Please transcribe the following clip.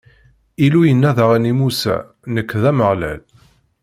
Illu yenna daɣen i Musa: Nekk, d Ameɣlal.